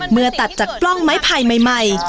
เมื่อตัดจากกล้องไม้ไผ่ใหม่